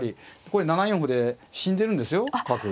これ７四歩で死んでるんですよ角。